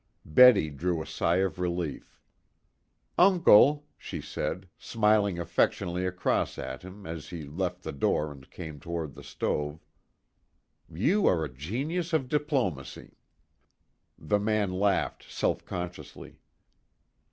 Betty drew a sigh of relief. "Uncle," she said, smiling affectionately across at him as he left the door and came toward the stove, "you are a genius of diplomacy." The man laughed self consciously.